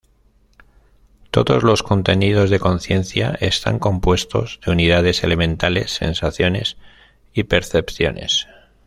Todos los contenidos de conciencia están compuestos de unidades elementales: sensaciones y percepciones.